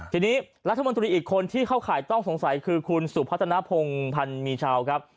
ทีนี้รัฐมนตรีอีกคนที่เข้าข่ายต้องสงสัยคือคุณสุพัฒนภงพันธ์มีชาวครับ